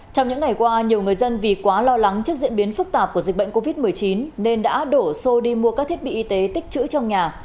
trong những ngày qua nhiều người dân vì quá lo lắng trước diễn biến phức tạp của dịch bệnh covid một mươi chín nên đã đổ xô đi mua các thiết bị y tế tích chữ trong nhà